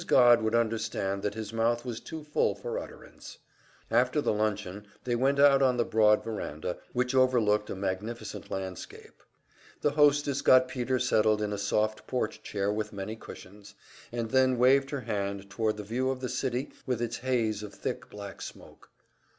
Godd would understand that his mouth was too full for utterance. After the luncheon they went out on the broad veranda which overlooked a magnificent landscape. The hostess got Peter settled in a soft porch chair with many cushions, and then waved her hand toward the view of the city with its haze of thick black smoke.